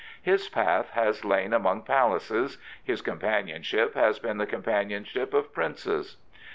His path has lain among palaces; his companionship has been the companionship of princes..